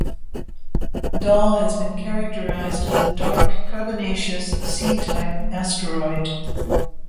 "Dahl" has been characterised as a dark, carbonaceous C-type asteroid.